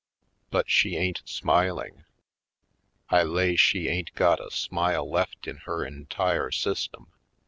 But she ain't smiling — I lay she ain't got a smile left in her entire system.